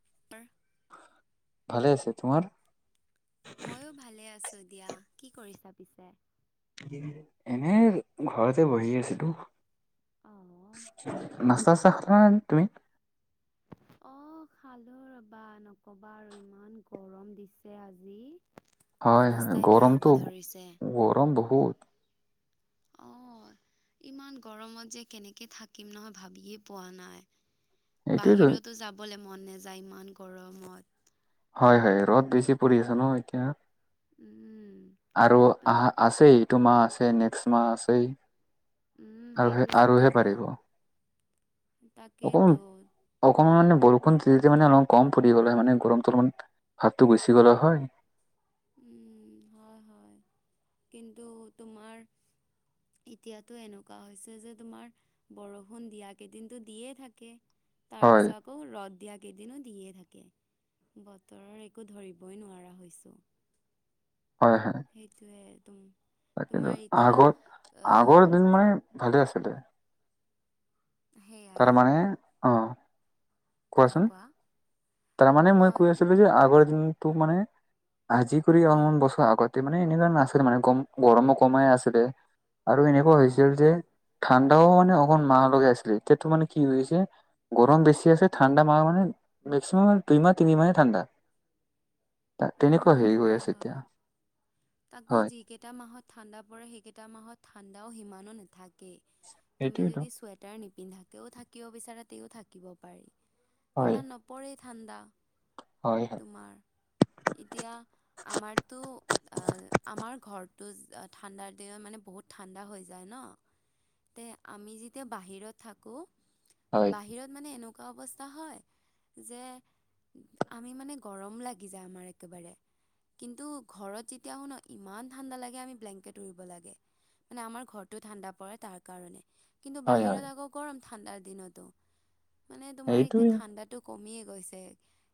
[unintelligible] ভালে আছে তোমাৰ। ময়ো ভালে আছোঁ দিয়া কি কৰিছা পিছে এনে ঘৰতে বহি আছে তো। অ', নচ্তা চা তুমি [unintelligible] অঁ খালো ৰবা নক'বা আৰু ইমান গৰম দিছে আজি হয় হয় অৱস্থাই বেয়া হ'ব গৰমটো ধৰিছে গৰম বহুত অহঁ ইমান গৰমত যে কেনেকে থাকিম নহয় ভাবিয়ে পোৱা নাই এইটোৱেতো বাহিৰতো যাবলৈ মন নাযায় ইমান গৰমত হয় হয় ৰ'দ বেছি পৰি আছে নহঁ এতিয়া উম, আৰু ত- আহা আছেই এইটো মাহ আছে নেক্স মাহ আছেই। উম, আৰু হে সেইটোৱেতো তাকেইতো অসমকে মানে ব অ তেয়া মানে অলপ কম পৰি গ'ল হয় মানে গৰমটো অলপমান ভাতটো গুচি গ'লে হয়। উ হয় হয় কিন্তু তোমাৰ এতিয়াতো এনেকুৱা হৈছে যে তোমাৰ বৰষুণ দিয়া কেইদিনো দিয়ে থাকে। তাৰ হয় পিছত আকৌ ৰদ দিয়া। কেইদিনো দিয়ে থাকে, বতৰৰ একো ধৰিবই নোৱাৰা হৈছো। সেইটোৱে একদম। তাকেটো আগত আগৰ দিন মানে ভালে আছিলে। সেইয়াই তাৰমানমানে অ। কোৱা কোৱাচোন কোৱা তাৰমানে মই অঁ কৈ আছিলো যে আগৰ দিনটো মানে আজি কৰি উম অলপমান বছৰ আগতে মানে এনেধৰণৰ নাছিলে মানেম গৰমো কমাই আছিলে। আৰু এনেকুৱা হৈছিল হয় যে হয় ঠান। অ' মানে অকণ মাহ লগাই আছিলে, এতিয়াতো মানে কি হৈছে গৰম বেছি আছে। ঠাণ্ডা ম মানে মেক্সিমাম দুই মাহ তিনি মাহে ঠাণ্ডা তেনেকুৱা উম হেৰি হৈ হয় আছে হয় এতিয়া। তাকো হয় যি কেইটা মাহত ঠাণ্ডা পৰে সেই কেইটা মাহত ঠাণ্ডা। অ' ইমানো নাথাকে, তুমি সেইটোৱেতো যদি চুৱেটাৰ নিপি পিন্ধাকেও থাকিব বিচাৰে তেও থাকিব পাৰি হয় ইমান নপৰেই ঠাণ্ডা। হয় হয় তোমাৰ এতিয়া আমাৰতো অ আমাৰ ঘৰটো ঠাণ্ডাৰ দিনত মানে বহুত। বহুত ঠাণ্ডা হৈ যায় ন তে আমি যেতিয়া বাহিৰত থাকো হয় বাহিৰত মানে এনেকুৱা এনেকুৱা অৱস্থা হয় যে আমি মানে গৰম লাগ গিজা আমাৰ একেবাৰে কিন্তু ঘৰত যেতিয়া আহোঁ নহঁ ইমান ঠাণ্ডা লাগে আমি ব্লেংকেট লব লাগে। আমাৰ ঘৰ টো ঠাণ্ডা পৰে তাৰ কাৰণে। কিন্তু হয় বাহিৰত হয় আকৌ গৰম, ঠাণ্ডাৰ দিনতো মানে তোমাৰ এতিয়া এইটোৱে ঠাণ্ডাটো কমিয়ে গৈছে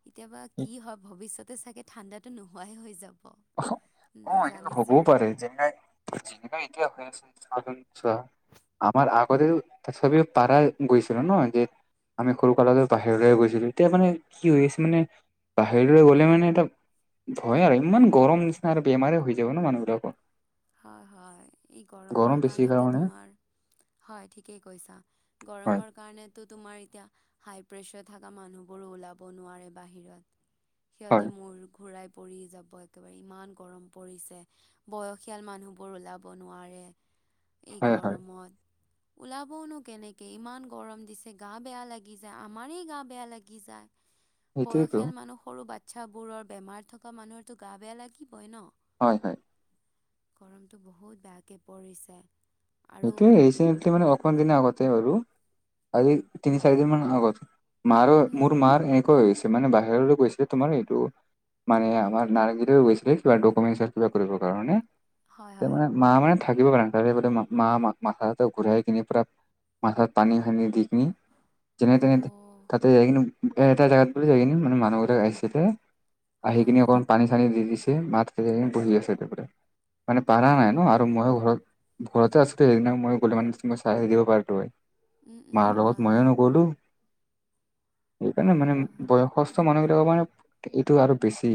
কেতিয়াবা কি হয় ভৱিষ্যতে চাগে ঠাণ্ডাটো নোহোৱাইে হৈ যাব। অ এনে নাজানিছো হবও আৰু পাৰে যে যিদিনা এতিয়া হৈ আছে আমাৰ আগতে চব পাৰা গৈছিল ন যে আমি সৰু কাললৈ বাহিৰলৈ গৈছিলো, এতিয়া মানে কি হৈ আছে মানে বাহিৰৰে গ'লে মানে এটা ভয় আৰু ইমান। গৰম নিচিনা আৰু বেমাৰে হৈ যাব ন মানুহবিলাকৰ। হয় হয় গৰমৰ বেছি কাৰণ কাৰণে তোমাৰ হয় ঠিকেই কৈছা। হয় গৰমৰ কাৰণে তো তোমাৰ এতিয়া হাই প্ৰেছাৰ থকা মানুহবোৰো ওলাব নোৱাৰে বাহিৰত সিহঁতে হয় মূৰ ঘুৰাই পৰি যাব, একেবাৰে ইমান গৰম পৰিছে, বয়স বয়সিয়াল মানুহবোৰ ওলাব নোৱাৰে এই হয় হয় গৰমত ওলাবওনো কেনেকে ইমান গৰম দিছে, গা বেয়া লাগি যায়, আমাৰ গা বেয়া লাগি যায়। সেইটোৱেতো বয়সীয়াল মানুহ সৰু বাচ্ছ বোৰৰ বেমাৰ থকা মানুহৰতো গা বেয়া লাগিবই ন। হয়-হয়। গৰমটো বহুত বেয়াকে পৰিছে আৰু সেইোৱে ৰিচেণ্টলি মানে অকমান দিনে আগতে বাৰু আজি উম তিনি চাৰি দিন মান আগতে মাৰ উম, মোৰ মাৰ এনেকুৱা হৈছে মানে বাহিৰলৈ গৈছিলে তোমাৰ এইটো মানে আমাৰ নাৰীগী গৈছিলে কিবা ডকুমেট কিবা কৰিব কাৰণে। হয় তে হয়। মানে মা মানে থাকিব পাৰেে তাৰে গতে মা। মা মাথা ঘূৰাই কিনি পুৰা মাথাত পানী সানি দি কিনি যেনে অ তেনে তাতে যাই কিনে এটা জোগাত প যাই কিনে মানে মানুহ গিলাক আহিছেহে। আজি হয় কিনে হয়। অকনমান পানী চান দিছে মাত বহি আছে, মানে পাৰা নাই ন' আৰু উম, ময়ো ঘৰত ঘৰতে আছো সেইদিনা মই গ'লে মানে তুই চাই আহ থ দিব পাৰোই উম উম মাৰ হয় লগত মইয়ে হয় নগলো [unintelligible] সেইকাৰণে মানে হয় বয়সস্থ মানুহবিলাকৰ মানে এইটো আৰু বেছি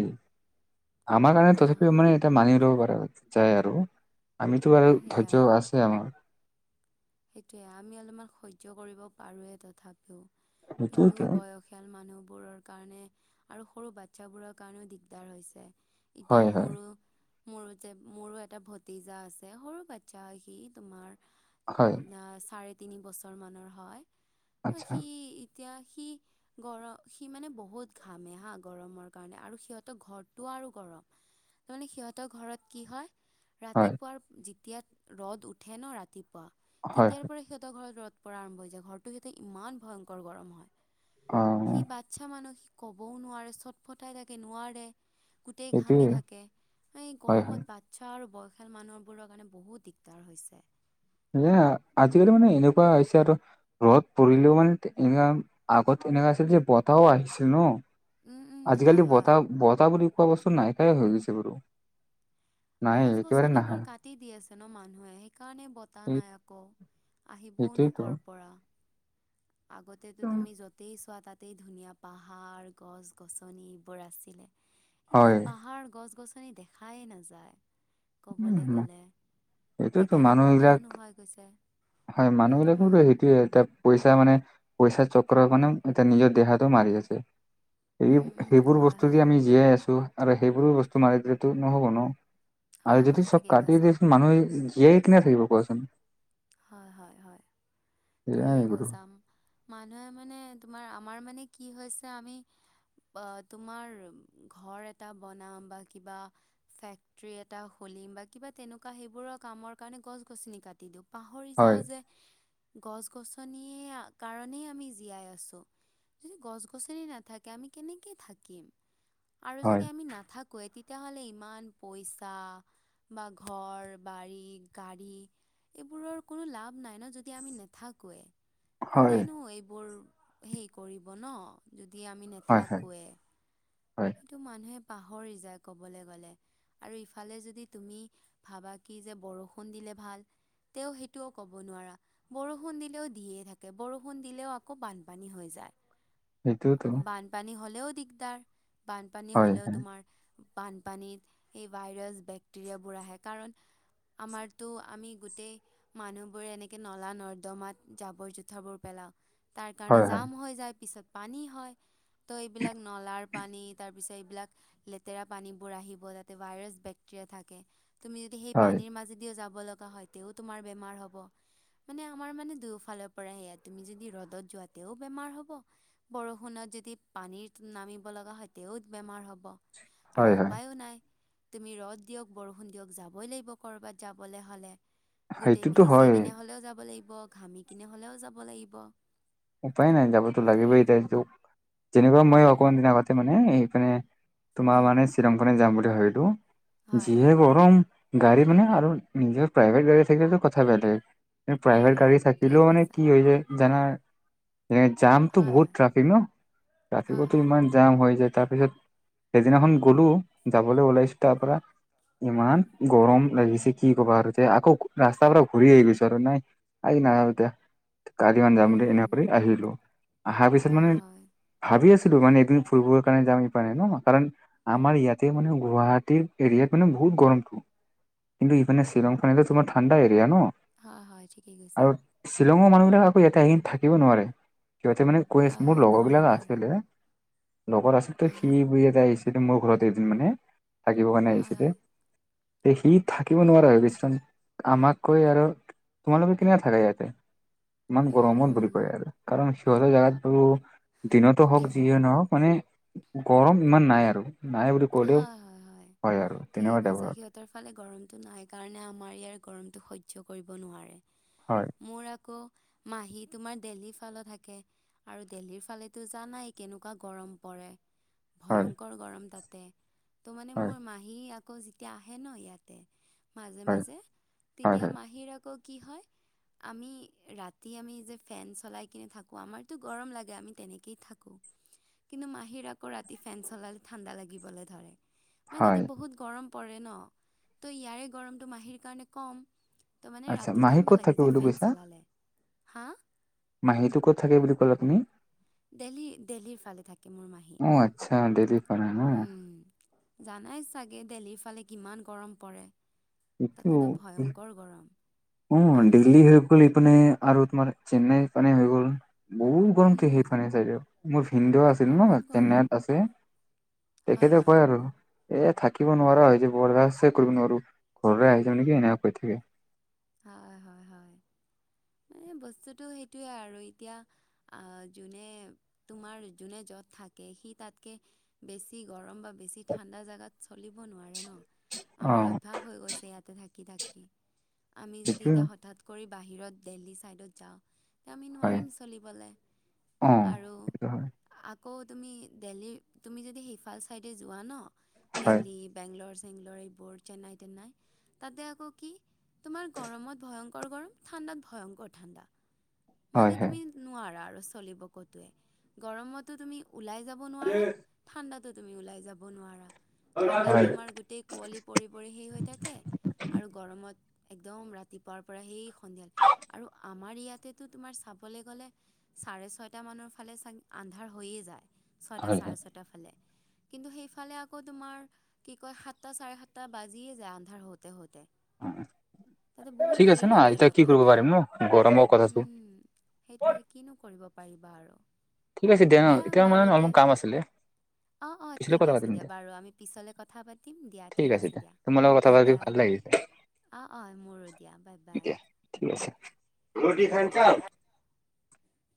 আমাৰ কাৰণে হয় তথাপিও হয় মানে এটা মানি লব পৰা যায় আৰু আমিতো আৰু ধ আছে আমাৰ। সেইটোয়ে আমি অলপমান সহ্য কৰিব পাৰোৱে তথাপিও। কিন্তু সেইটোৱেতো বয়সিয়াল মানুহ বোৰৰ কাৰণে আৰু সৰু বাচ্ছাবোৰৰ কাৰণেও দিগদাৰ হৈছে। এতিয়া হয় হয় মোৰো মোৰ যে মোৰো এটা ভতিজা আছে সৰু বাচ্ছা আহি তোমাৰ হয় চাৰে তিনি বছৰ মানৰ হয়, আচ্ছা সি এতিয়া সি গৰম সি মানে বহুত ঘামে হা, গৰমৰ কাৰণে আৰু সিহঁতৰ ঘৰটো আৰু গৰম তাৰমানে সিহঁতৰ ঘৰত কি হয় হয় ৰাতিপুৱাৰ যেতিয়া ৰ'দ উঠে ন ৰাতিপুৱা হয় তেতিয়াৰ হয়। পৰা সিহঁতৰ ঘৰত ৰ'দ পৰা আৰম্ভ হৈ যায়, ঘৰটো সিহঁতে ইমান ভয়ংকৰ গৰম হয়। অ সি বাচ্ছা মানুহিক ক'বও নোৱাৰে চটফটাই থাকে নোৱাৰে গোটেই সেইটোৱে ঘামি থাকে এই হয় হয় গৰমত বাচ্ছা আৰু বয়স বয়সীয়াল মানুহবোৰৰ কাৰণে বহুত দিগদাৰ হৈছে। এ আজিকালি মানে এনেকুৱা হৈছে আৰু ঘৰত পৰিলেও মানে এনো আগত এনেকা তেতিয়া বতাহও আহিছিল ন' উম উম আজিকালি হয় হয় বতাহ বত বুলি কোৱা বস্তু নাইকিয়াই হৈ গৈছে বাৰু নাই গছ একেবাৰে নাহে গছনিবোৰ কাটি দি আছে ন মানুহে সেইকাৰণে বতাহ সেই- নাই আকৌ। আহিবও নো সেইটোৱেতো কৰ পৰা? আগতেতো তুমি য'তেই চোৱা তাতেই ধুনীয়া পাহাৰ, গছ-গছনি এইবোৰ আছিল। এতিয়া হয় পাহাৰ গছ-গছনি দেখায়ে নাযায়। ক'বলৈ গ'লে সেইটোতো সেইকাৰণে বতাহও মানুহবিলাক নোহোৱাই গৈছে হয় উম মানুহবিলাকৰো হয় সেইটোয়ে এটা। পইচা মানে পইচাৰ চক্ৰৰ মানে এতিয়া নিজৰ দেহাতেও মাৰি আছে সেই উম উম সেইবোৰ হয় বস্তু দি হয় আমি জীয়াই আছো আৰু সেইবোৰ বস্তু মাৰি দিলেতো নহ'ব ন'। হয় আৰু যদি হয় চব ঠিকেই কাটি কৈছা দিয়েচোন মানুহে জীয়াই কেনেকে থাকিব কোৱাচোন? হয় হয় হয়। ঠিকেই এয়াই বোলো কৈছা, মানুহে মানে তোমাৰ আমাৰ মানে কি হৈছে আমি তোমাৰ ঘৰ এটা বনাম বা কিবা ফেক্টৰি এটা খুলিম। বা কিবা তেনেকুৱা সেইবোৰৰ কামৰ কাৰণে গছ গছনি কাটি দিওঁ পাহৰি যাও হয় যে। গছ-গছনিয়ে কাৰণেই আমি জীয়াই আছো। যদি গছ গছনি নাথাকে আমি কেনেকে থাকিম আৰু যদি হয় আমি নাথাকো। কৈ তেতিয়াহ'লে ইমান পইচা। বা ঘৰ বাৰী গাড়ী। এইবোৰৰ কোনো লাভ নাই ন যদি আমি নাথাকোৱে হয় কোনেনো এইবোৰ হেৰি কৰিব নহঁ যদি আমি হয় হয় নাথাকোৱে হয় সেইটো মানুহে পাহৰি যায় ক'বলৈ গলে আৰু ইফালে যদি তুমি ভাবা কি যে বৰষুণ দিলে ভাল। তেওঁ সেইটোও কব নোৱাৰা, বৰষুণ দিলেও দিয়েই থাকে, বৰষুণ দিলেও আকৌ বানপানী হৈ যায়। সেইটোতো বানপানী হলেও দিগদাৰ বানপানী হয় হলেও হয় তোমাৰ বানপানীত সেই ভাইৰাছ বেক্টেৰিয়াবোৰ আহে কাৰণ আমাৰতো আমি গোটেই মানুহ বোৰে এনেকে নলা নৰ্দমাত জাবৰ জোথৰবোৰ পেলায়। তাৰ কাৰণে হয় জাম হৈ যায় পিছত পানী হয় এইবিলাক নলাৰ পানী তাৰ পিছত এইবিলাক লেতেৰা পানীবোৰ আহিব তাতে ভাইৰাছ বেক্টেৰিয়া থাকে। তুমি যদি সেই হয় পানীৰ মাজেদিও যাব লগা হয় তেও তোমাৰ বেমাৰ হ'ব। মানে আমাৰ মানে দুয়োফালৰ পৰা সেয়া তুমি যদি ৰ'দত যোৱাতেও বেমাৰ হব বৰষুণত। যদি পানীত নামিব লগা হয় তেওত বেমাৰ হ'ব আৰু হয় হয় উপায়ো নাই। তুমি ৰ'দ দিয়ক, বৰষুণ দিয়ক, যাবই লাগিব কৰবাত যাবলে হ'লে গোটেই সেইটোতো ভিজি হয় কিনে হ'লেও যাব লাগিব, ঘামি কিনে হ'লেও যাব লাগিব। উপায় নাই যাবতো লাগিব সেয়াই এতিয়া যেনেকুৱা মই অকমান দিন আগতে মানে এই মানে তোমাৰ উম মানে শ্বিলং ফালে যাম বুলি ভাবিলো হয় যিহে হয় গৰম গাড়ী মানে আৰু নিজৰ প্ৰাইভেট গাড়ী থাকিলেটো কথা বেলেগ হয় প্ৰাইভেট হয় গাড়ী ঠিকে থাকিলেও মানে কৈছা কি হৈ যায় জানা সে জামটো হয় বহুত হয় ট্ৰাফিক ন' হয় ট্ৰাফিকতো হয় ইমান জাম হৈ যায় তাৰপিছত সেইদিনাখন গলো, যাবলৈ ওলাইছো তাৰ পৰা ইমান গৰম লাগিছে কি কবা আৰু যে আকৌ ৰাস্তাৰ পৰা ঘূৰি আহিছো আৰু নাই আজি নাই আৰু দে। কালি মান যাম বুলি এনে উম কৰি আহিলো, অহাৰ পিছত মানে হয় হয় ভাবি আছো তো মানে এদিন ফুৰিবৰ কাৰণে যাম হেই কাৰণে ন' কাৰণ আমাৰ ইয়াতে মানে গুৱাহাটীৰ এৰিয়াত মানে বহুত খুব গৰমটো কিন্তু এইফালে শ্বিলং ফালেটো তোমাৰ ঠাণ্ডা এৰিয়া ন। হয় হয় ঠিকেই কৈছা আৰু শ্বিলঙৰ মানুহবিলাক আকৌ ইয়াতে এদিন থাকিব নোৱাৰে সিহঁতে মানে কৈ হয় আছে মোৰ হয় নোৱাৰে লগৰবিলাক নোৱাৰে আছিলে। লগত আছিল তো সি হয় ব এটা আহিছে দে মোৰ ঘৰত এদিন মানে থাকিব কাৰণে আহিছে হয় দে হয় তে সি থাকিব নোৱাৰা হৈ গৈছে আমাক কৈ আৰু তোমালোকে কেনে থাকে ইয়াতে ইমান উম গৰমত। উম কয় আৰু কাৰণ সিহঁতৰ জোগাত বাৰু দিনতো হওক যিয়ে নহওক মানে গৰম ইমান নাই আৰু নাই বুলি ক'লেও হয় হয় হয়। আৰু ঠিকে তেনেকুৱা টাইপৰ কৈছা সিহঁতৰ ফালে গৰমতটো নাই কাৰণে আমাৰ ইয়াৰ গৰমটো সহ্য। ভিদেউ কৰিব নোৱাৰে হয় মোৰ আকৌ। মাহী তোমাৰ দেহল্লি ফাল থাকে আৰু দেল্লীৰ ফালে দৰ জা নাই কেনেকুৱা গৰম পৰে। কৰে হয় ভয়ংকৰ গৰম তাতে। ত' মানে হয় মোৰ মাহী আকৌ যেতিয়া আহে ন ইয়াতে। মাজে হয় মাজে হয় তেতিয়া হয় মাহীৰ আকৌ কি হয়। আমি ৰাতি আমি যে ফেন চলাই কিনে থাকো আমাৰতো গৰম লাগে আমি তেনেকেই থাকো। কিন্তু মাহী আকৌ ৰাতি ফেন চলালে ঠাণ্ডা লাগিবলৈ ধৰে মই হয় তাতে বহুত গৰম। পৰে ন তো ইয়াৰে গৰমটো মাহীৰ কাৰণে কম। ত মানে আচ্ছা ৰাতি মাহী ঠাণ্ডা ক'ত লাগি থাকে যায় বুলি ফেন কৈছা চলালে হা। মাহীটো ক'ত থাকে বুলি ক'লা তুমি। দেল্হি দেলহিৰ ফালে থাকে মোৰ মাহী। হ দেৰি উম। জানাই চাগে দেল্হীৰ ফালে কিমান গৰম পৰে। এইটো তাতেতো ই ভয়ংকৰ গৰম। অ আমি দিল্লী হৈ গ'ল ইপিনে আৰু তোমাৰ চেন্নাইৰ পানে হৈ গ'ল। বহুত গৰমটো উম সেইফানে চাইদে মোৰ ভিন্দ আছিল ন বহুত গৰম। চেন্নাইত আছে। হয় তেখেতে হয় কয় আৰু এ থাকিব নোৱাৰা যে বৰদাচে কৰিব নোৱাৰো ঘৰৰে আহি। হয় হয় হয়। মানে বস্তুটো সেইটোৱে আৰু এতিয়া যোনে তোমাৰ যোনে য'ত থাক। থাকে সি তাতকে বেছি গৰম বা বেছি ঠাণ্ডা জোগাত চলিব নোৱাৰে ন। আমাৰ অ', অভ্যাস হৈ গৈছে ইয়াতে থাকি থাকি আমি যদি সেইটো এতিয়া হঠাৎ কৰি। বাহিৰত দেল্হী চাইডত যাওঁ। আমি হয় নোৱাৰিম চলিবলৈ অ', আৰু সেইটো হয় অহ আকৌ তুমি দেল্হী তুমি যদি সিফাল চাইডে যোৱা ন হয় দেল্হী বেংগলৰ। চেংগলৰ এইবোৰ চেন্নাই তেনে তাতে আকৌ কি? তোমাৰ গৰমত ভয়ংকৰ গৰম ঠাণ্ডাত ভয়ংকৰ ঠাণ্ডা। মানে হয় হয়। তুমি নোৱাৰা আৰু চলিব ক'তোৱে গৰমতো তুমি। ওলাই যাব নোৱাৰা ঠাণ্ডাতো তুমি ওলাই যাব নোৱাৰা। ঠাণ্ডাত হয় তোমাৰ গোটেই কুঁৱলি পৰি পৰি সেই হৈ থাকে আৰু গৰমত। একদম ৰাতিপুৱাৰ পৰা সেই সন্ধিয়ালৈ আৰু আমাৰ ইয়াতে। তো তোমাৰ চাবলৈ গ'লে চাৰে ছয়টা মানৰ ফালে চা আন্ধাৰ হৈয়ে যায়। ছয়টা হয় হয় চাৰে ছটা ফালে। কিন্তু সেইফালে আকৌ তোমাৰ কি কয় সাতটা চাৰে সাতটা বাজিয়ে যায় আন্ধাৰ হওঁতে হওঁতে। তাতে বহুত ঠিক আছে ন দেৰিলৈকে এতিয়া ৰ'দ কি কৰিব থাকে। পাৰিম নো গৰম। উম সেইটোৱে নো কৰিব পাৰিব আৰু ঠিক আছে দিয়া ন এতিয়া বাৰু মানে দে। অলপমান কাম আছিলে। অ অ পিছলৈ ঠিক কথা আছে পাতিম দিয়া বাৰু আমি পিছলে কথা পাতিম দিয়া ঠিক আছে দিয়া বাই বাই। [unintelligible] অ অ মোৰো দিয়া বাই বাই। ৰুটি খান চাও।